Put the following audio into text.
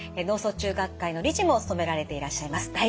脳卒中学会の理事も務められていらっしゃいます。